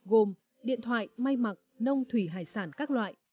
gồm điện thoại may mặc nông thủy hải sản các loại